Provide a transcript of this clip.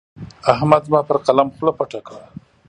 احمد زما پر قلم خوله پټه کړه.